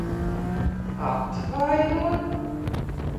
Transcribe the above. Atvaino?